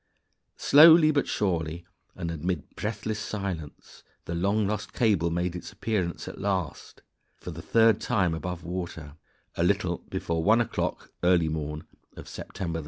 Slowly, but surely, and amid breathless silence, the long lost cable made its appearance at last (see opposite), for the third time above water, a little before one o'clock (early morn) of September 2d.